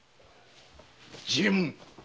治右衛門。